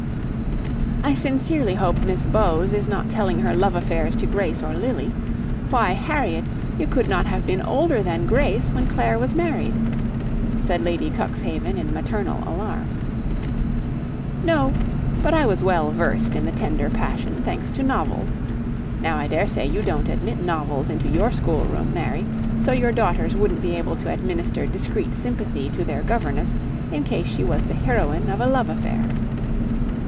"I sincerely hope Miss Bowes is not telling her love affairs to Grace or Lily. Why, Harriet, you could not have been older than Grace when Clare was married!" said Lady Cuxhaven, in maternal alarm. "No; but I was well versed in the tender passion, thanks to novels. Now I daresay you don't admit novels into your school room, Mary; so your daughters wouldn't be able to administer discreet sympathy to their governess in case she was the heroine of a love affair."